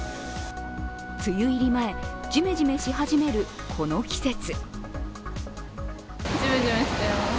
梅雨入り前、じめじめし始めるこの季節。